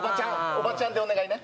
おばちゃんでお願いね